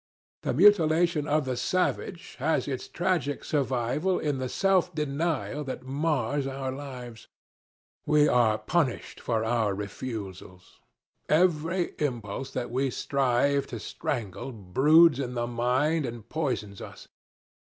The mutilation of the savage has its tragic survival in the self denial that mars our lives. We are punished for our refusals. Every impulse that we strive to strangle broods in the mind and poisons us.